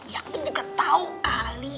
ya aku juga tahu kali